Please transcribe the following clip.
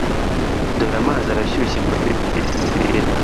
dore Amazi arashyushye muri pisine